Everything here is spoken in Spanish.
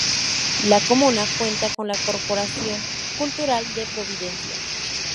La comuna cuenta con la Corporación Cultural de Providencia.